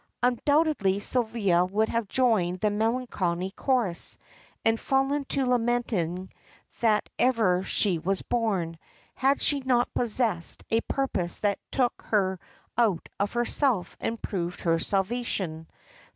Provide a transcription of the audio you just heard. Undoubtedly Sylvia would have joined the melancholy chorus, and fallen to lamenting that ever she was born, had she not possessed a purpose that took her out of herself and proved her salvation.